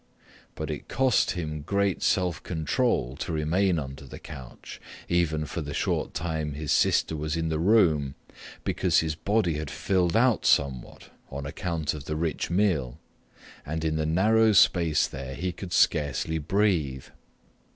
But it cost him great self control to remain under the couch, even for the short time his sister was in the room, because his body had filled out somewhat on account of the rich meal and in the narrow space there he could scarcely breathe.